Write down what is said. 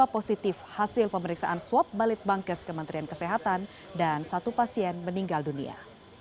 dua positif hasil pemeriksaan swab balit bangkes kementerian kesehatan dan satu pasien meninggal dunia